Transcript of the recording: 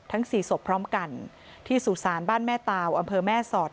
สี่ศพพร้อมกันที่สุสานบ้านแม่ตาวอำเภอแม่สอด